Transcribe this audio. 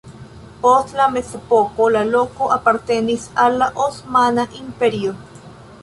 Post la mezepoko la loko apartenis al la Osmana Imperio.